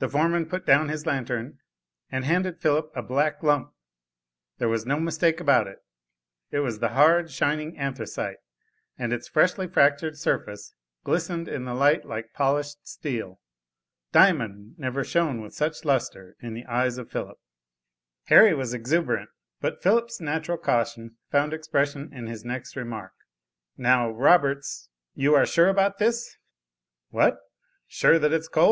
The foreman put down his lantern, and handed Philip a black lump. There was no mistake about it, it was the hard, shining anthracite, and its freshly fractured surface, glistened in the light like polished steel. Diamond never shone with such lustre in the eyes of Philip. Harry was exuberant, but Philip's natural caution found expression in his next remark. "Now, Roberts, you are sure about this?" "What sure that it's coal?"